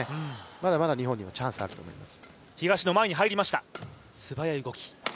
まだまだ日本にもチャンスはあると思います。